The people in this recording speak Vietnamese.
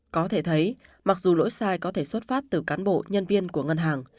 có thể thấy mặc dù lỗi sai có thể xuất phát từ cán bộ nhân viên của ngân hàng